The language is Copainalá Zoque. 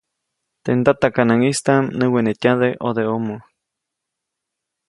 Teʼ ndatakanaŋʼistaʼm näwenetyade ʼodeʼomo.